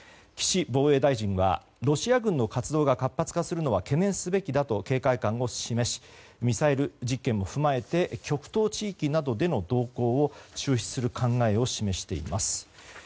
岸防衛大臣はロシア軍の活動が活発化するのは懸念すべきだと警戒感を示しミサイル実験も踏まえて極東地域などでの動向を注視する考えを示しています。